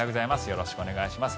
よろしくお願いします。